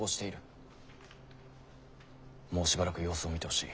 もうしばらく様子を見てほしい。